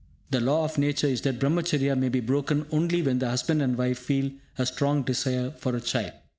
The law of Nature is that Brahmacharya may be broken only when the husband and wife feel a strong desire for a child.